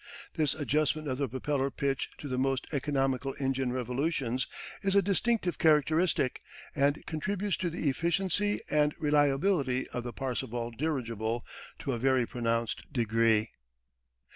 This adjustment of the propeller pitch to the most economical engine revolutions is a distinctive characteristic, and contributes to the efficiency and reliability of the Parseval dirigible to a very pronounced degree.